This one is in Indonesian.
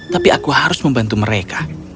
tapi aku harus membantu mereka